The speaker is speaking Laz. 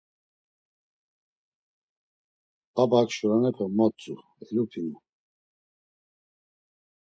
Babak şuronepe motzu, elupinu.